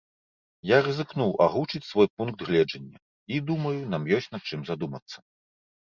Я рызыкнуў агучыць свой пункт гледжання, і думаю, нам ёсць над чым задумацца.